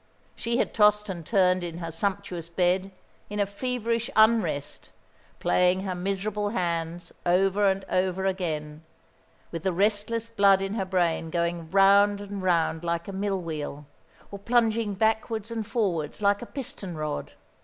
She had tossed and turned in her sumptuous bed in a feverish unrest, playing her miserable hands over and over again, with the restless blood in her brain going round and round like a mill wheel, or plunging backwards and forwards like a piston rod.